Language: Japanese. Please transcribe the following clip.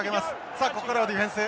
さあここからはディフェンス。